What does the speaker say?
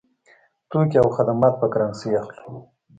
توکي او خدمات په کرنسۍ اخلو.